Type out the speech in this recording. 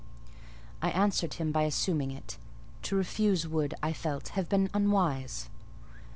I answered him by assuming it: to refuse would, I felt, have been unwise.